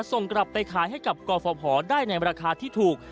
ส่งกลับไปขายให้กับกรฟภได้ในราคาที่ถูก